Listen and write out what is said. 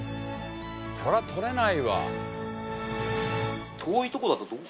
そりゃ取れないわ。